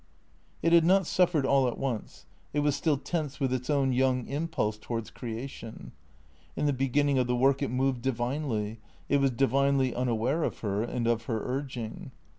It had not suffered all at once. It was still tense with its own young impulse towards creation. In the beginning of the work it moved divinely; it was divinely unaware of her and of her urging.